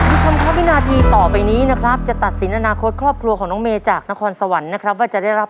มีความขอบพินาธีต่อไปนี้นะครับจะตัดสินอนาคตครอบครัวของน้องเมจากนครสวรรค์นะครับ